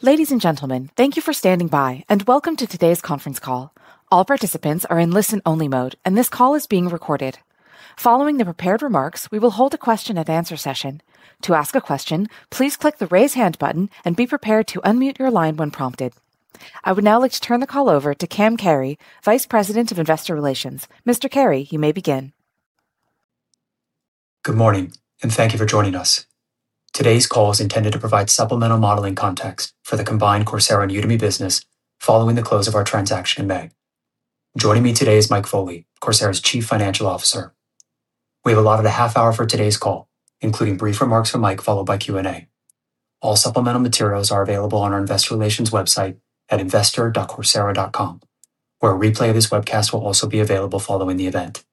Ladies and gentlemen, thank you for standing by, and welcome to today's conference call. All participants are in listen-only mode, and this call is being recorded. Following the prepared remarks, we will hold a question-and-answer session. To ask a question, please click the raise hand button and be prepared to unmute your line when prompted. I would now like to turn the call over to Cam Carey, Vice President of Investor Relations. Mr. Carey, you may begin. Good morning, and thank you for joining us. Today's call is intended to provide supplemental modeling context for the combined Coursera and Udemy business following the close of our transaction in May. Joining me today is Mike Foley, Coursera's Chief Financial Officer. We have allotted a half-hour for today's call, including brief remarks from Mike followed by Q&A. All supplemental materials are available on our investor relations website at investor.coursera.com, where a replay of this webcast will also be available following the event.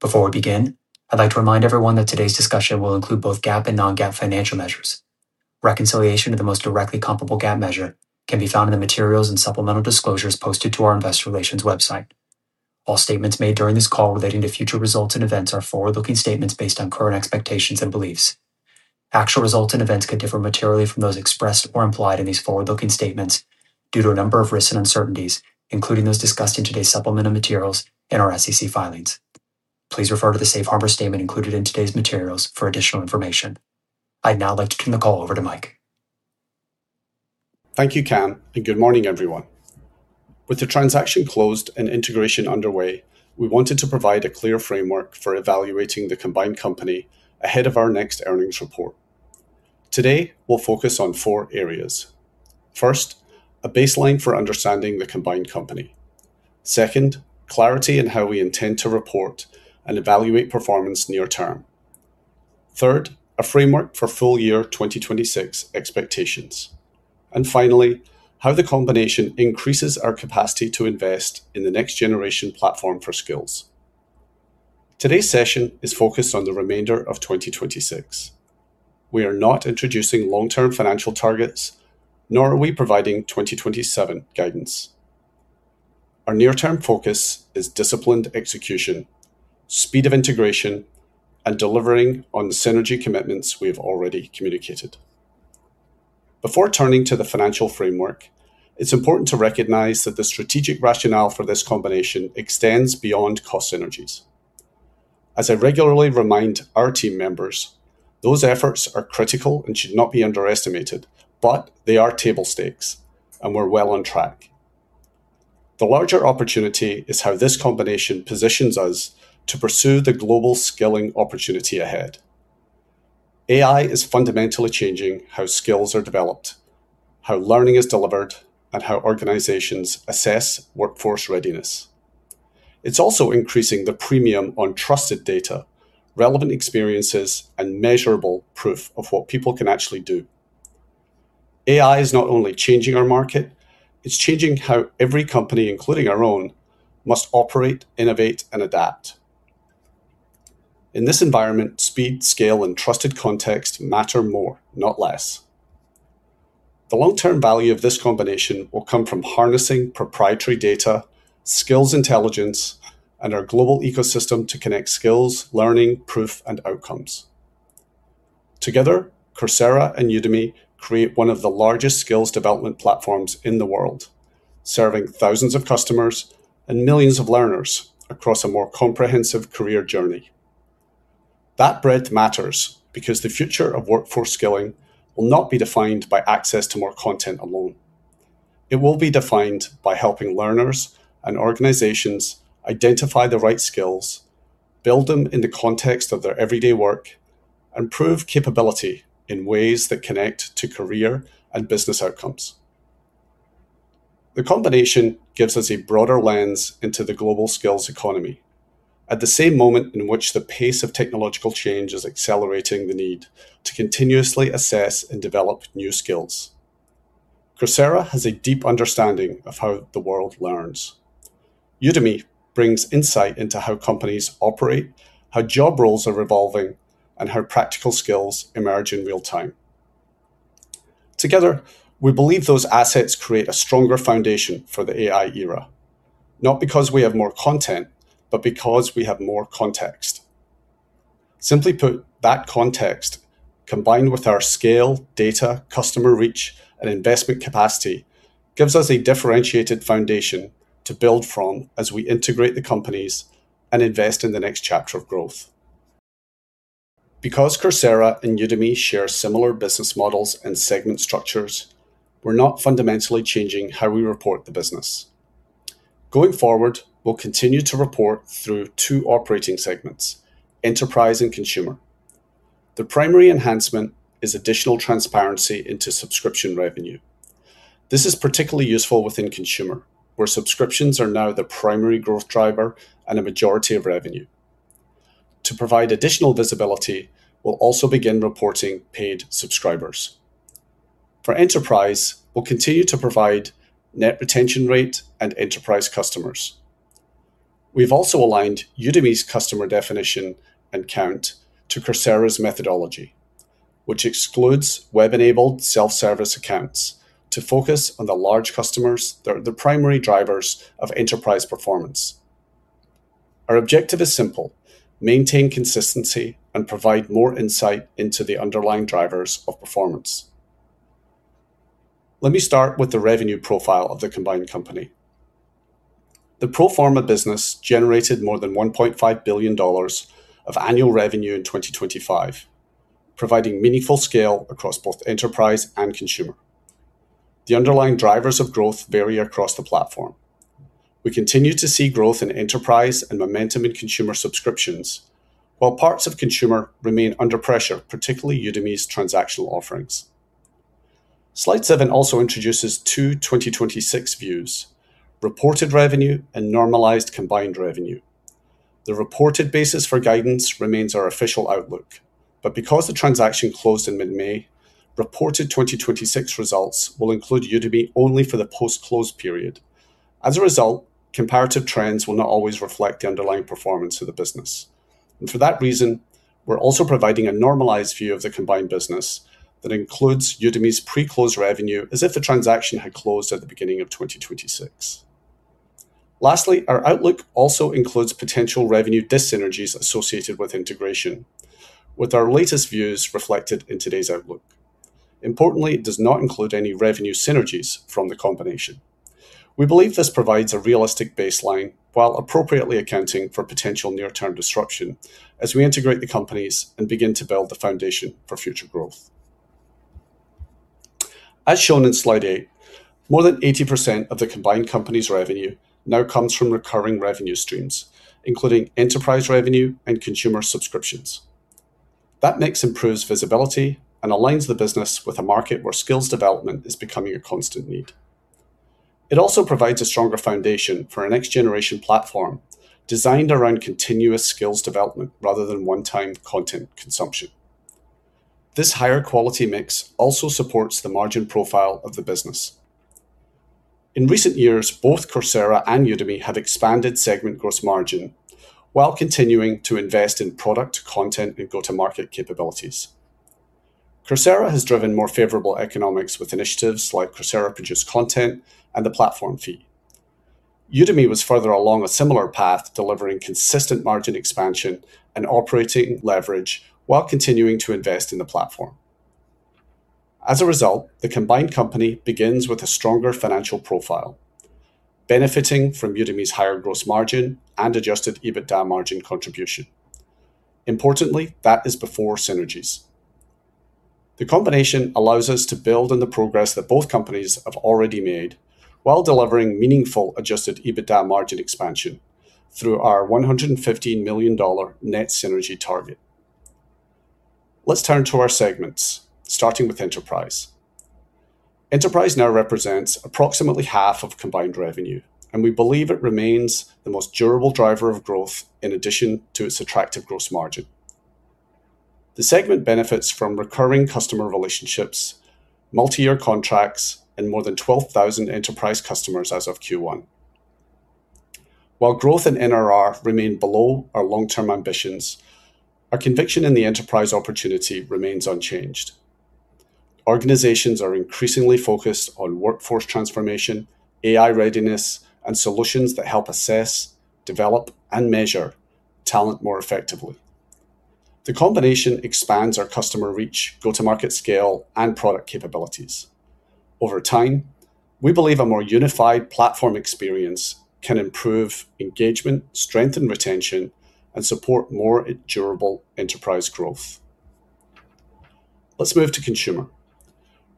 Before we begin, I'd like to remind everyone that today's discussion will include both GAAP and non-GAAP financial measures. Reconciliation of the most directly comparable GAAP measure can be found in the materials and supplemental disclosures posted to our investor relations website. All statements made during this call relating to future results and events are forward-looking statements based on current expectations and beliefs. Actual results and events could differ materially from those expressed or implied in these forward-looking statements due to a number of risks and uncertainties, including those discussed in today's supplemental materials and our SEC filings. Please refer to the safe harbor statement included in today's materials for additional information. I'd now like to turn the call over to Mike. Thank you, Cam, and good morning, everyone. With the transaction closed and integration underway, we wanted to provide a clear framework for evaluating the combined company ahead of our next earnings report. Today, we'll focus on four areas. First, a baseline for understanding the combined company. Second, clarity in how we intend to report and evaluate performance near term. Third, a framework for full year 2026 expectations. Finally, how the combination increases our capacity to invest in the next generation platform for skills. Today's session is focused on the remainder of 2026. We are not introducing long-term financial targets, nor are we providing 2027 guidance. Our near-term focus is disciplined execution, speed of integration, and delivering on the synergy commitments we've already communicated. Before turning to the financial framework, it's important to recognize that the strategic rationale for this combination extends beyond cost synergies. As I regularly remind our team members, those efforts are critical and should not be underestimated, but they are table stakes, and we're well on track. The larger opportunity is how this combination positions us to pursue the global skilling opportunity ahead. AI is fundamentally changing how skills are developed, how learning is delivered, and how organizations assess workforce readiness. It's also increasing the premium on trusted data, relevant experiences, and measurable proof of what people can actually do. AI is not only changing our market, it's changing how every company, including our own, must operate, innovate, and adapt. In this environment, speed, scale, and trusted context matter more, not less. The long-term value of this combination will come from harnessing proprietary data, skills intelligence, and our global ecosystem to connect skills, learning, proof, and outcomes. Together, Coursera and Udemy create one of the largest skills development platforms in the world, serving thousands of customers and millions of learners across a more comprehensive career journey. That breadth matters because the future of workforce skilling will not be defined by access to more content alone. It will be defined by helping learners and organizations identify the right skills, build them in the context of their everyday work, and prove capability in ways that connect to career and business outcomes. The combination gives us a broader lens into the global skills economy at the same moment in which the pace of technological change is accelerating the need to continuously assess and develop new skills. Coursera has a deep understanding of how the world learns. Udemy brings insight into how companies operate, how job roles are evolving, and how practical skills emerge in real time. Together, we believe those assets create a stronger foundation for the AI era, not because we have more content, but because we have more context. Simply put, that context, combined with our scale, data, customer reach, and investment capacity, gives us a differentiated foundation to build from as we integrate the companies and invest in the next chapter of growth. Coursera and Udemy share similar business models and segment structures. We're not fundamentally changing how we report the business. Going forward, we'll continue to report through two operating segments, enterprise and consumer. The primary enhancement is additional transparency into subscription revenue. This is particularly useful within consumer, where subscriptions are now the primary growth driver and a majority of revenue. To provide additional visibility, we'll also begin reporting paid subscribers. For enterprise, we'll continue to provide net retention rate and enterprise customers. We've also aligned Udemy's customer definition and count to Coursera's methodology, which excludes web-enabled self-service accounts to focus on the large customers that are the primary drivers of enterprise performance. Our objective is simple: maintain consistency and provide more insight into the underlying drivers of performance. Let me start with the revenue profile of the combined company. The pro forma business generated more than $1.5 billion of annual revenue in 2025, providing meaningful scale across both enterprise and consumer. The underlying drivers of growth vary across the platform. We continue to see growth in enterprise and momentum in consumer subscriptions, while parts of consumer remain under pressure, particularly Udemy's transactional offerings. Slide seven also introduces two 2026 views, reported revenue and normalized combined revenue. The reported basis for guidance remains our official outlook, but because the transaction closed in mid-May, reported 2026 results will include Udemy only for the post-close period. As a result, comparative trends will not always reflect the underlying performance of the business. For that reason, we're also providing a normalized view of the combined business that includes Udemy's pre-close revenue as if the transaction had closed at the beginning of 2026. Lastly, our outlook also includes potential revenue dis-synergies associated with integration with our latest views reflected in today's outlook. Importantly, it does not include any revenue synergies from the combination. We believe this provides a realistic baseline while appropriately accounting for potential near-term disruption as we integrate the companies and begin to build the foundation for future growth. As shown in slide eight, more than 80% of the combined company's revenue now comes from recurring revenue streams, including enterprise revenue and consumer subscriptions. That mix improves visibility and aligns the business with a market where skills development is becoming a constant need. It also provides a stronger foundation for a next-generation platform designed around continuous skills development rather than one-time content consumption. This higher quality mix also supports the margin profile of the business. In recent years, both Coursera and Udemy have expanded segment gross margin while continuing to invest in product content and go-to-market capabilities. Coursera has driven more favorable economics with initiatives like Coursera-produced content and the platform fee. Udemy was further along a similar path, delivering consistent margin expansion and operating leverage while continuing to invest in the platform. As a result, the combined company begins with a stronger financial profile, benefiting from Udemy's higher gross margin and adjusted EBITDA margin contribution. Importantly, that is before synergies. The combination allows us to build on the progress that both companies have already made while delivering meaningful adjusted EBITDA margin expansion through our $115 million net synergy target. Let's turn to our segments, starting with Enterprise. Enterprise now represents approximately 1/2 of combined revenue, and we believe it remains the most durable driver of growth in addition to its attractive gross margin. The segment benefits from recurring customer relationships, multi-year contracts and more than 12,000 Enterprise customers as of Q1. While growth and NRR remain below our long-term ambitions, our conviction in the enterprise opportunity remains unchanged. Organizations are increasingly focused on workforce transformation, AI readiness, and solutions that help assess, develop, and measure talent more effectively. The combination expands our customer reach, go-to-market scale, and product capabilities. Over time, we believe a more unified platform experience can improve engagement, strengthen retention, and support more durable Enterprise growth. Let's move to Consumer.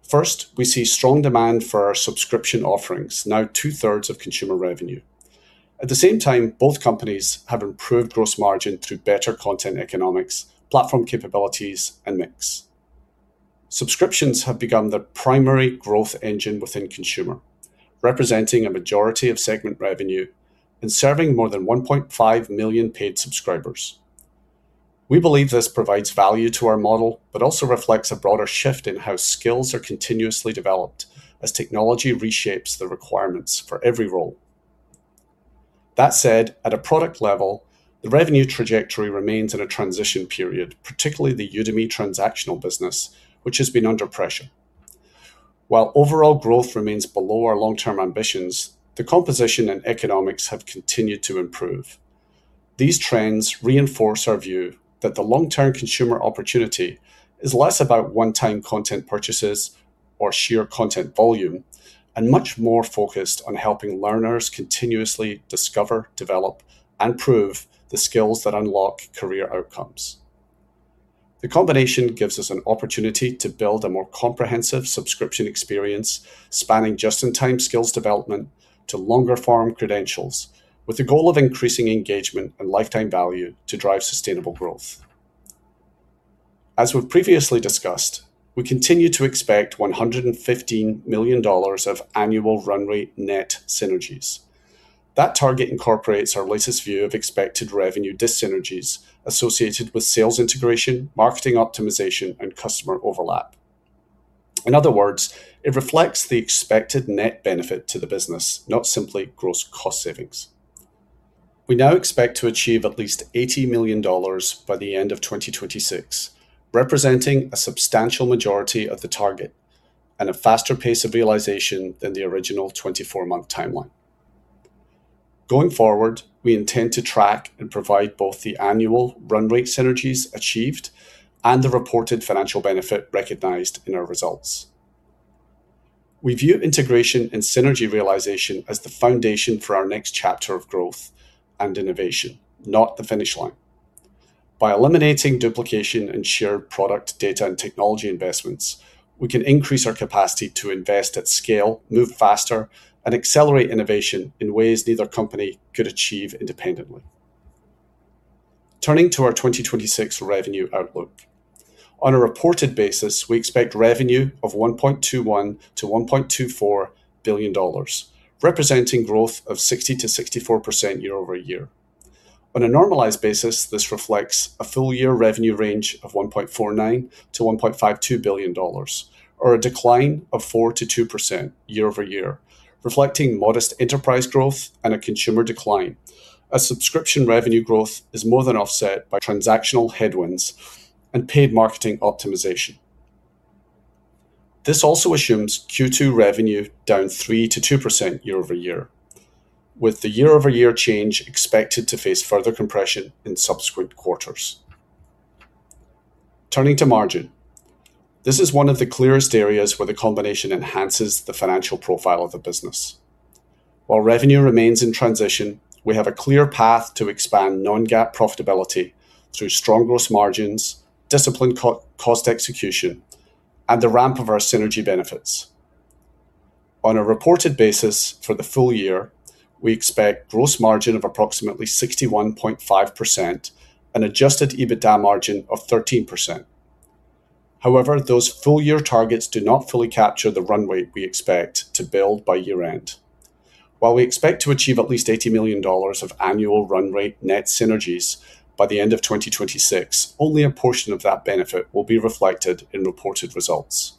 First, we see strong demand for our subscription offerings, now 2/3 of Consumer revenue. At the same time, both companies have improved gross margin through better content economics, platform capabilities, and mix. Subscriptions have become the primary growth engine within Consumer, representing a majority of segment revenue and serving more than 1.5 million paid subscribers. We believe this provides value to our model, but also reflects a broader shift in how skills are continuously developed as technology reshapes the requirements for every role. That said, at a product level, the revenue trajectory remains in a transition period, particularly the Udemy transactional business, which has been under pressure. While overall growth remains below our long-term ambitions, the composition and economics have continued to improve. These trends reinforce our view that the long-term consumer opportunity is less about one-time content purchases or sheer content volume and much more focused on helping learners continuously discover, develop, and prove the skills that unlock career outcomes. The combination gives us an opportunity to build a more comprehensive subscription experience spanning just-in-time skills development to longer form credentials with the goal of increasing engagement and lifetime value to drive sustainable growth. As we've previously discussed, we continue to expect $115 million of annual run rate net synergies. That target incorporates our latest view of expected revenue dis-synergies associated with sales integration, marketing optimization, and customer overlap. In other words, it reflects the expected net benefit to the business, not simply gross cost savings. We now expect to achieve at least $80 million by the end of 2026, representing a substantial majority of the target. A faster pace of realization than the original 24-month timeline. Going forward, we intend to track and provide both the annual run rate synergies achieved and the reported financial benefit recognized in our results. We view integration and synergy realization as the foundation for our next chapter of growth and innovation, not the finish line. By eliminating duplication and shared product, data, and technology investments, we can increase our capacity to invest at scale, move faster, and accelerate innovation in ways neither company could achieve independently. Turning to our 2026 revenue outlook. On a reported basis, we expect revenue of $1.21 billion-$1.24 billion, representing growth of 60%-64% year-over-year. On a normalized basis, this reflects a full-year revenue range of $1.49 billion-$1.52 billion, or a decline of 4% to 2% year-over-year, reflecting modest enterprise growth and a consumer decline. Subscription revenue growth is more than offset by transactional headwinds and paid marketing optimization. This also assumes Q2 revenue down 3% to 2% year-over-year, with the year-over-year change expected to face further compression in subsequent quarters. Turning to margin. This is one of the clearest areas where the combination enhances the financial profile of the business. While revenue remains in transition, we have a clear path to expand non-GAAP profitability through strong gross margins, disciplined cost execution, and the ramp of our synergy benefits. On a reported basis for the full year, we expect gross margin of approximately 61.5% and adjusted EBITDA margin of 13%. Those full-year targets do not fully capture the run rate we expect to build by year-end. While we expect to achieve at least $80 million of annual run rate net synergies by the end of 2026, only a portion of that benefit will be reflected in reported results.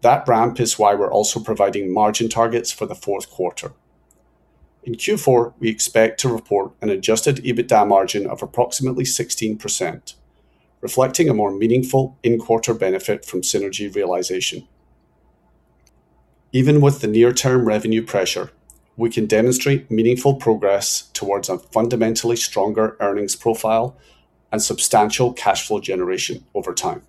The ramp is why we're also providing margin targets for the fourth quarter. In Q4, we expect to report an adjusted EBITDA margin of approximately 16%, reflecting a more meaningful in-quarter benefit from synergy realization. Even with the near-term revenue pressure, we can demonstrate meaningful progress towards a fundamentally stronger earnings profile and substantial cash flow generation over time.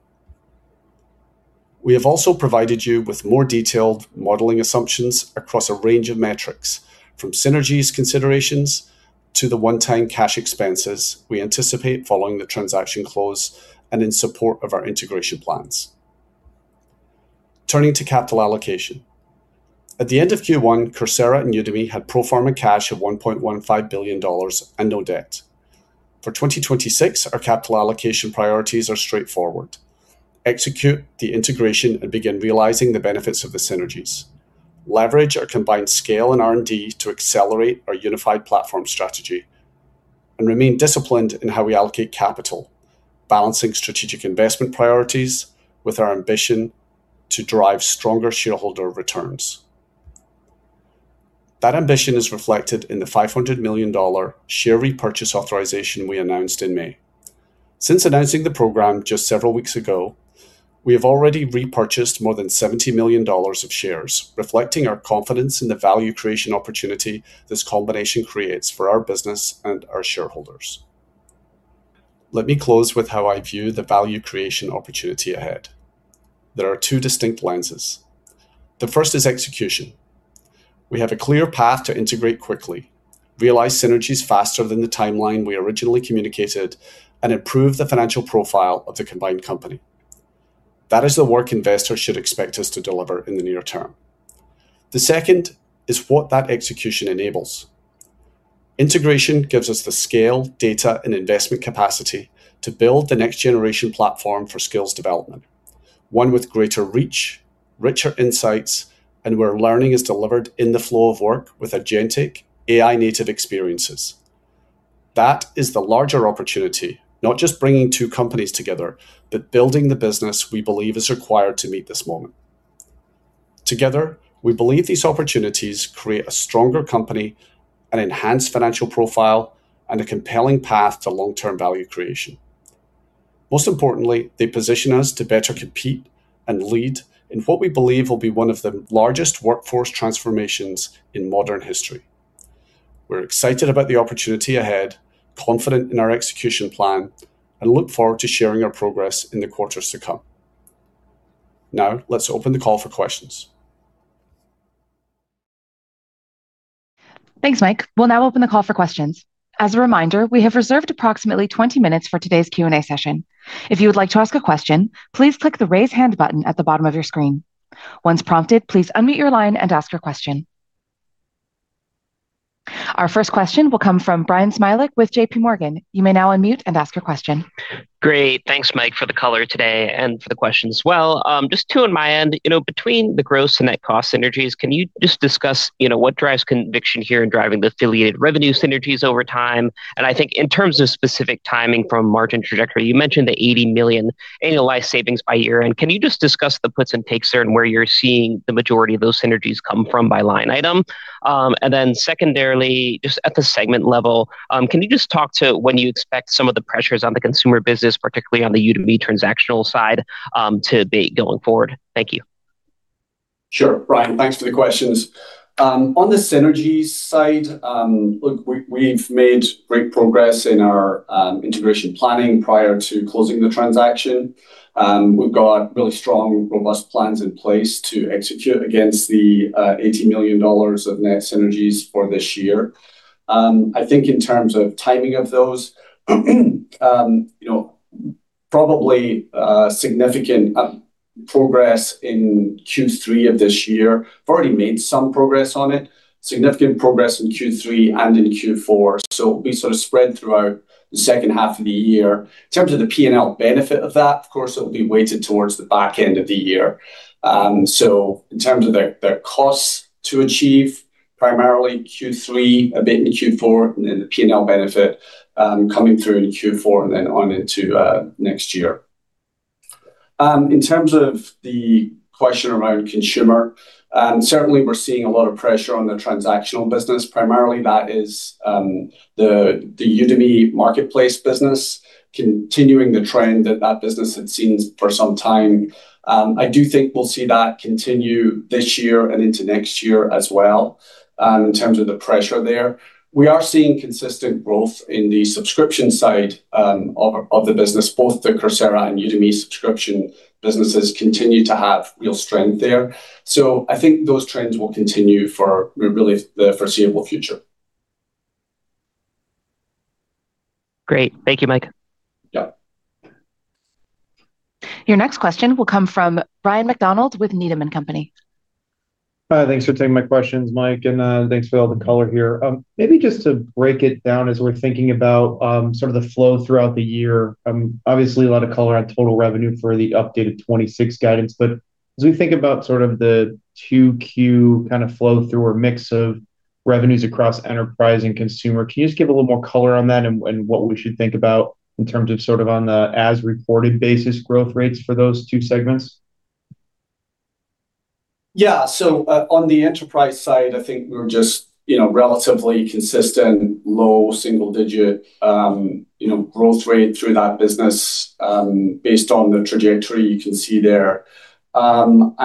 We have also provided you with more detailed modeling assumptions across a range of metrics, from synergies considerations to the one-time cash expenses we anticipate following the transaction close and in support of our integration plans. Turning to capital allocation. At the end of Q1, Coursera and Udemy had pro forma cash of $1.15 billion and no debt. For 2026, our capital allocation priorities are straightforward: execute the integration and begin realizing the benefits of the synergies, leverage our combined scale in R&D to accelerate our unified platform strategy, and remain disciplined in how we allocate capital, balancing strategic investment priorities with our ambition to drive stronger shareholder returns. That ambition is reflected in the $500 million share repurchase authorization we announced in May. Since announcing the program just several weeks ago, we have already repurchased more than $70 million of shares, reflecting our confidence in the value creation opportunity this combination creates for our business and our shareholders. Let me close with how I view the value creation opportunity ahead. There are two distinct lenses. The first is execution. We have a clear path to integrate quickly, realize synergies faster than the timeline we originally communicated, and improve the financial profile of the combined company. That is the work investors should expect us to deliver in the near term. The second is what that execution enables. Integration gives us the scale, data, and investment capacity to build the next-generation platform for skills development. One with greater reach, richer insights, and where learning is delivered in the flow of work with agentic AI-native experiences. That is the larger opportunity, not just bringing two companies together, but building the business we believe is required to meet this moment. Together, we believe these opportunities create a stronger company, an enhanced financial profile, and a compelling path to long-term value creation. Most importantly, they position us to better compete and lead in what we believe will be one of the largest workforce transformations in modern history. We're excited about the opportunity ahead, confident in our execution plan, and look forward to sharing our progress in the quarters to come. Let's open the call for questions. Thanks, Mike. We'll now open the call for questions. As a reminder, we have reserved approximately 20 min for today's Q&A session. If you would like to ask a question, please click the raise hand button at the bottom of your screen. Once prompted, please unmute your line and ask your question. Our first question will come from Bryan Smilek with JPMorgan. You may now unmute and ask your question. Great. Thanks, Mike, for the color today and for the questions as well. Just two on my end. Between the gross and net cost synergies, can you just discuss what drives conviction here in driving the affiliated revenue synergies over time? I think in terms of specific timing from margin trajectory, you mentioned the $80 million annualized savings by year-end. Can you just discuss the puts and takes there and where you're seeing the majority of those synergies come from by line item? Secondarily, just at the segment level, can you just talk to when you expect some of the pressures on the Consumer business, particularly on the Udemy transactional side, to be going forward? Thank you. Sure, Bryan, thanks for the questions. On the synergies side, look, we've made great progress in our integration planning prior to closing the transaction. We've got really strong, robust plans in place to execute against the $80 million of net synergies for this year. I think in terms of timing of those probably significant progress in Q3 of this year. We've already made some progress on it, significant progress in Q3 and in Q4. We spread throughout the second half of the year. In terms of the P&L benefit of that, of course, it will be weighted towards the back end of the year. In terms of their costs to achieve primarily Q3, a bit in Q4, and then the P&L benefit, coming through into Q4 and then on into next year. In terms of the question around Consumer, certainly we're seeing a lot of pressure on the transactional business. Primarily that is the Udemy marketplace business continuing the trend that that business had seen for some time. I do think we'll see that continue this year and into next year as well. In terms of the pressure there. We are seeing consistent growth in the subscription side of the business, both the Coursera and Udemy subscription businesses continue to have real strength there. I think those trends will continue for really the foreseeable future. Great. Thank you, Mike. Yeah. Your next question will come from Ryan MacDonald with Needham & Company. Thanks for taking my questions, Mike, and thanks for all the color here. Maybe just to break it down as we're thinking about the flow throughout the year. Obviously, a lot of color on total revenue for the updated 2026 guidance. As we think about the 2Q flow through or mix of revenues across enterprise and consumer, can you just give a little more color on that and what we should think about in terms of on the as-reported basis growth rates for those two segments? On the enterprise side, I think we were just relatively consistent, low single-digit growth rate through that business, based on the trajectory you can see there. On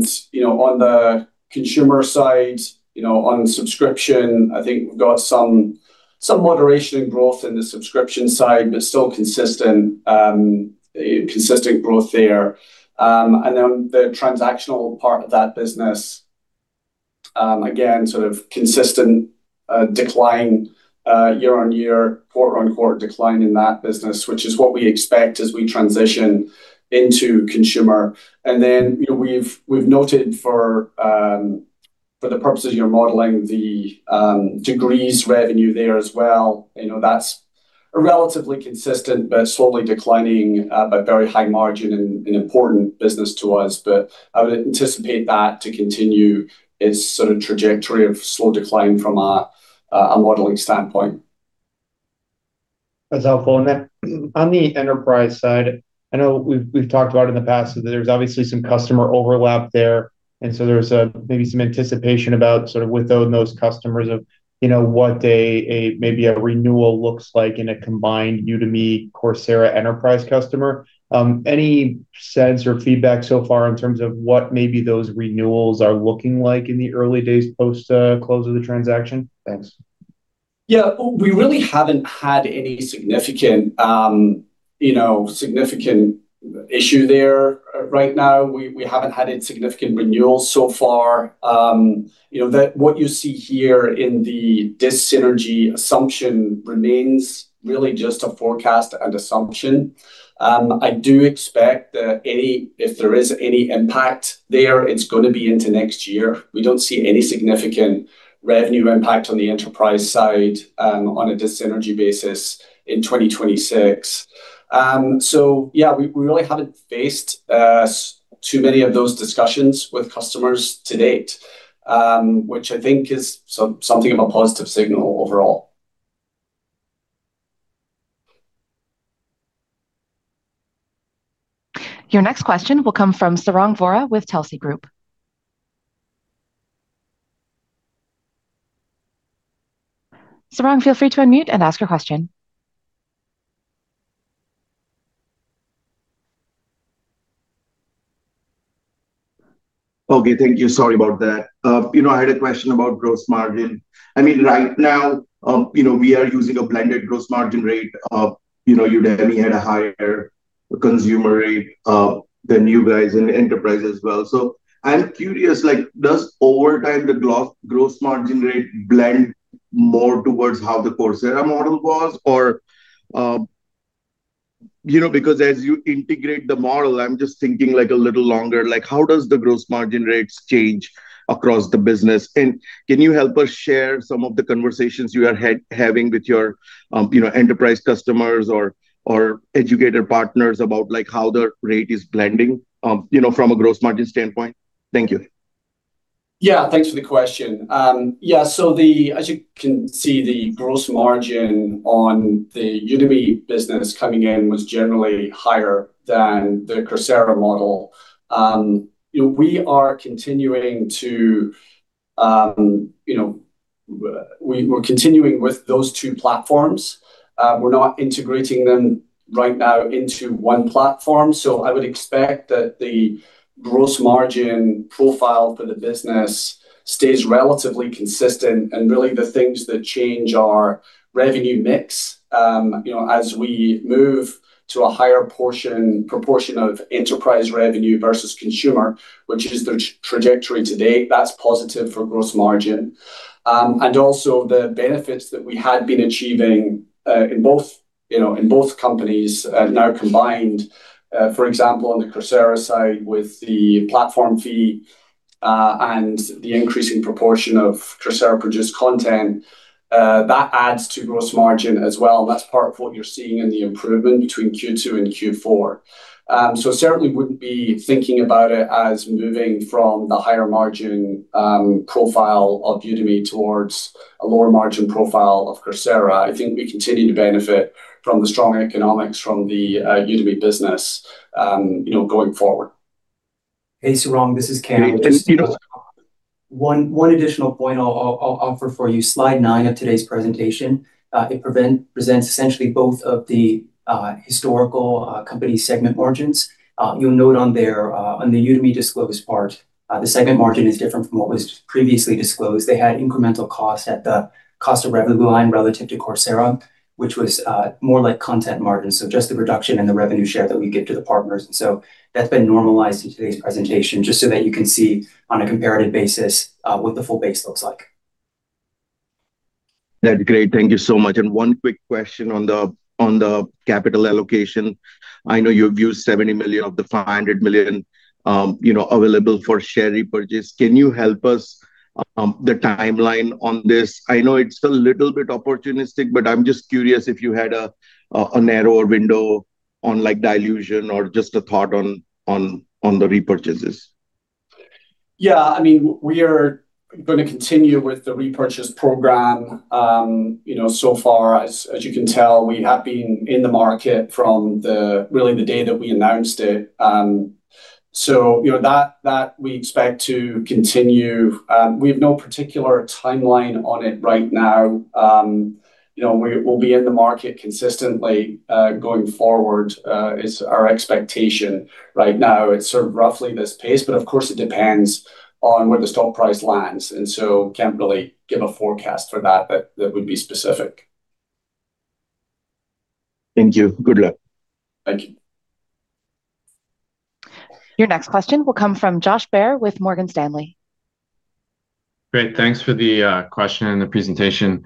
the Consumer side, on subscription, I think we've got some moderation in growth in the subscription side, but still consistent growth there. The transactional part of that business, again, consistent decline year-over-year, quarter-over-quarter decline in that business, which is what we expect as we transition into consumer. We've noted for the purposes of your modeling, the degrees revenue there as well, that's a relatively consistent but slowly declining, but very high-margin and important business to us. I would anticipate that to continue its trajectory of slow decline from a modeling standpoint. That's helpful. On the Enterprise side, I know we've talked about in the past that there's obviously some customer overlap there, and so there's maybe some anticipation about with those customers of what maybe a renewal looks like in a combined Udemy, Coursera enterprise customer. Any sense or feedback so far in terms of what maybe those renewals are looking like in the early days post close of the transaction? Thanks. We really haven't had any significant issue there right now. We haven't had any significant renewals so far. What you see here in the dis-synergy assumption remains really just a forecast and assumption. I do expect that if there is any impact there, it's going to be into next year. We don't see any significant revenue impact on the enterprise side on a dis-synergy basis in 2026. We really haven't faced too many of those discussions with customers to date, which I think is something of a positive signal overall. Your next question will come from Sarang Vora with Telsey Group. Sarang, feel free to unmute and ask your question. Okay. Thank you. Sorry about that. I had a question about gross margin. Right now, we are using a blended gross margin rate of, Udemy had a higher consumer rate than you guys in enterprise as well. I'm curious, like does over time the gross margin rate blend more towards how the Coursera model was? Because as you integrate the model, I'm just thinking like a little longer, like how does the gross margin rates change across the business? Can you help us share some of the conversations you are having with your enterprise customers or educator partners about how the rate is blending, from a gross margin standpoint? Thank you. Thanks for the question. As you can see, the gross margin on the Udemy business coming in was generally higher than the Coursera model. We're continuing with those two platforms. We're not integrating them right now into one platform. I would expect that the gross margin profile for the business stays relatively consistent, really the things that change our revenue mix, as we move to a higher proportion of Enterprise revenue versus Consumer, which is the trajectory to date, that's positive for gross margin. Also the benefits that we had been achieving in both companies now combined, for example, on the Coursera side, with the platform fee, the increasing proportion of Coursera-produced content, that adds to gross margin as well. That's part of what you're seeing in the improvement between Q2 and Q4. Certainly wouldn't be thinking about it as moving from the higher margin profile of Udemy towards a lower margin profile of Coursera. I think we continue to benefit from the strong economics from the Udemy business going forward. Hey, Sarang, this is Cam. One additional point I'll offer for you, slide nine of today's presentation, it presents essentially both of the historical company segment margins. You'll note on the Udemy disclose part, the segment margin is different from what was previously disclosed. They had incremental cost at the cost of revenue line relative to Coursera, which was more like content margin, just the reduction in the revenue share that we give to the partners. That's been normalized in today's presentation, just so that you can see on a comparative basis, what the full base looks like. That's great. Thank you so much. One quick question on the capital allocation. I know you've used $70 million of the $500 million available for share repurchase. Can you help us the timeline on this? I know it's a little bit opportunistic, but I'm just curious if you had a narrower window on dilution or just a thought on the repurchases. Yeah, we are going to continue with the repurchase program. So far as you can tell, we have been in the market from really the day that we announced it. That we expect to continue. We have no particular timeline on it right now. We'll be in the market consistently, going forward, is our expectation right now. It's sort of roughly this pace, but of course, it depends on where the stock price lands, can't really give a forecast for that would be specific. Thank you. Good luck. Thank you. Your next question will come from Josh Baer with Morgan Stanley. Great. Thanks for the question and the presentation.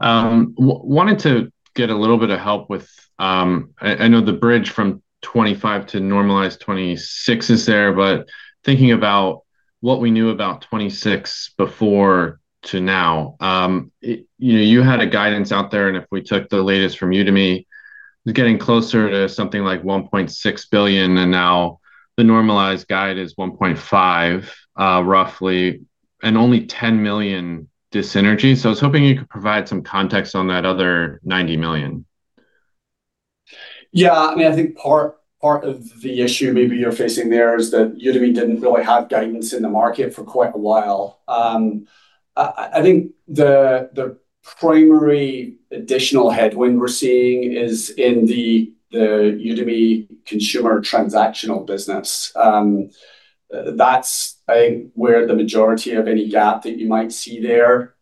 Wanted to get a little bit of help with, I know the bridge from 2025 to normalized 2026 is there, thinking about what we knew about 2026 before to now. You had a guidance out there. If we took the latest from Udemy, getting closer to something like $1.6 billion, and now the normalized guide is $1.5 billion roughly, and only $10 million dis-synergy. I was hoping you could provide some context on that other $90 million. I think part of the issue maybe you're facing there is that Udemy didn't really have guidance in the market for quite a while. I think the primary additional headwind we're seeing is in the Udemy consumer transactional business. That's, I think, where the majority of any gap that you might see there.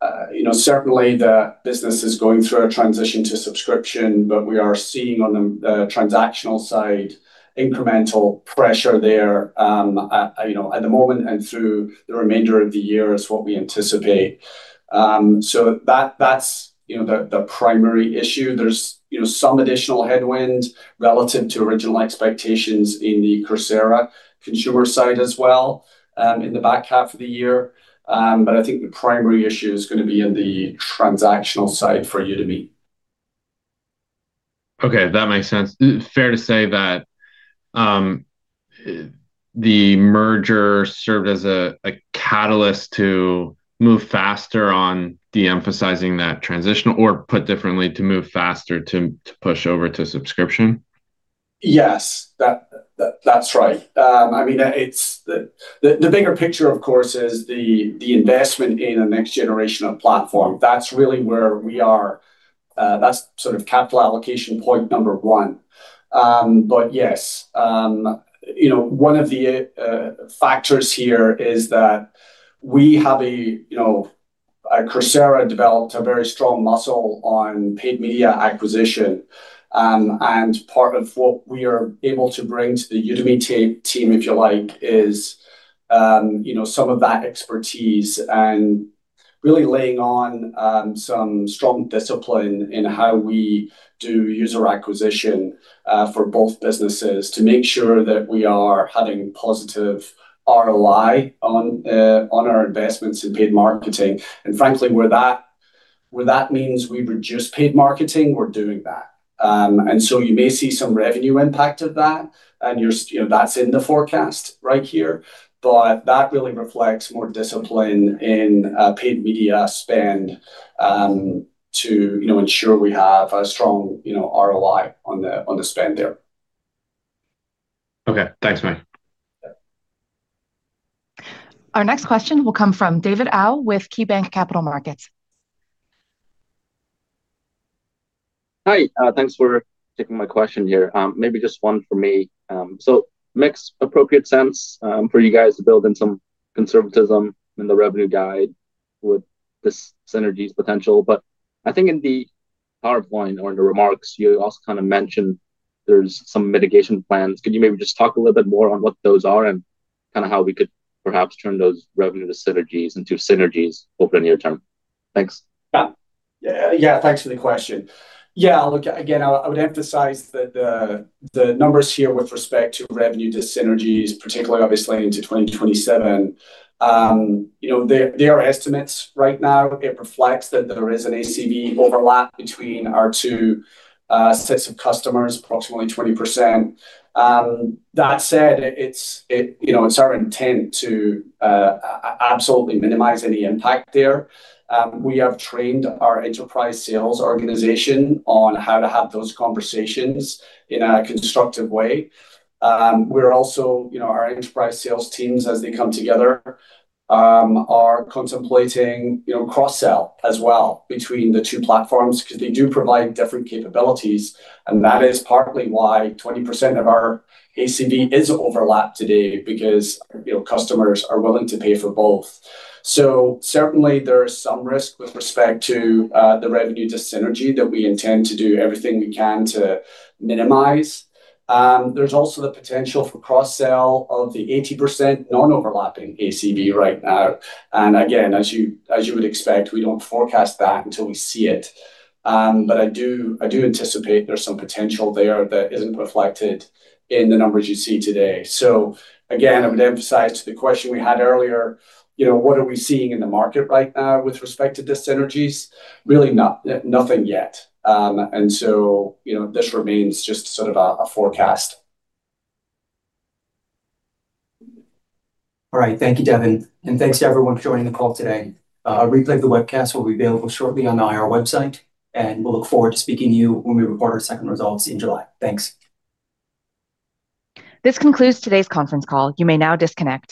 Certainly, the business is going through a transition to subscription, we are seeing on the transactional side, incremental pressure there at the moment and through the remainder of the year is what we anticipate. That's the primary issue. There's some additional headwind relative to original expectations in the Coursera consumer side as well, in the back half of the year. I think the primary issue is going to be in the transactional side for Udemy. Okay. That makes sense. Fair to say that the merger served as a catalyst to move faster on de-emphasizing that transition, or put differently, to move faster to push over to subscription? Yes. That's right. The bigger picture, of course, is the investment in a next generation of platform. That's really where we are. That's capital allocation point number one. Yes, one of the factors here is that Coursera developed a very strong muscle on paid media acquisition. Part of what we are able to bring to the Udemy team, if you like, is some of that expertise and really laying on some strong discipline in how we do user acquisition, for both businesses to make sure that we are having positive ROI on our investments in paid marketing. Frankly, where that means we reduce paid marketing, we're doing that. You may see some revenue impact of that, and that's in the forecast right here. That really reflects more discipline in paid media spend, to ensure we have a strong ROI on the spend there. Okay. Thanks, Mike. Our next question will come from Devin Au with KeyBank Capital Markets. Hi, thanks for taking my question here. Maybe just one from me. Makes appropriate sense for you guys to build in some conservatism in the revenue guide with this synergies potential. I think in the PowerPoint or in the remarks, you also kind of mentioned there's some mitigation plans. Could you maybe just talk a little bit more on what those are and kind of how we could perhaps turn those revenue dis-synergies into synergies over the near term? Thanks. Thanks for the question. Look, again, I would emphasize that the numbers here with respect to revenue dis-synergies, particularly obviously into 2027, they are estimates right now. It reflects that there is an ACV overlap between our two sets of customers, approximately 20%. That said, it's our intent to absolutely minimize any impact there. We have trained our enterprise sales organization on how to have those conversations in a constructive way. Our enterprise sales teams, as they come together, are contemplating cross-sell as well between the two platforms because they do provide different capabilities, and that is partly why 20% of our ACV is overlapped today because customers are willing to pay for both. Certainly there is some risk with respect to the revenue dis-synergy that we intend to do everything we can to minimize. There's also the potential for cross-sell of the 80% non-overlapping ACV right now. Again, as you would expect, we don't forecast that until we see it. I do anticipate there's some potential there that isn't reflected in the numbers you see today. Again, I would emphasize to the question we had earlier, what are we seeing in the market right now with respect to dis-synergies? Really nothing yet. This remains just sort of a forecast. All right, thank you, Devin, and thanks to everyone for joining the call today. A replay of the webcast will be available shortly on our website, and we'll look forward to speaking to you when we report our second results in July. Thanks. This concludes today's conference call. You may now disconnect.